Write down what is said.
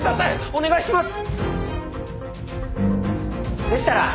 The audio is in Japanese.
お願いします！